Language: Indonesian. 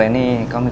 nah ini pas pampir